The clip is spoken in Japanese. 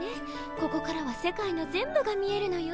ここからは世界の全部が見えるのよ。